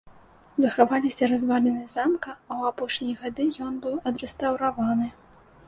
Захаваліся разваліны замка, а ў апошнія гады ён быў адрэстаўраваны.